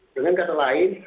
dengan kata lain